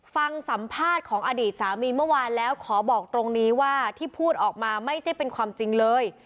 ฟังสัมภาษณ์ของอดีตสามีเมื่อวานแล้วขอบอกตรงนี้ว่าที่พูดออกมาไม่ใช่เป็นความจริงเลย